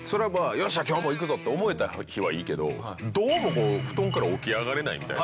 「よっしゃ今日もいくぞ」って思えた日はいいけどどうも布団から起き上がれないみたいな。